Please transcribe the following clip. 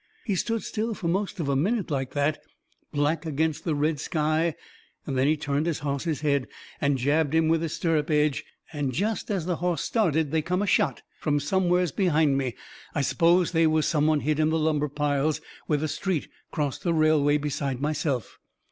He stood still fur most a minute like that, black agin the red sky, and then he turned his hoss's head and jabbed him with his stirrup edge. Jest as the hoss started they come a shot from somewheres behind me. I s'pose they was some one hid in the lumber piles, where the street crossed the railway, besides myself.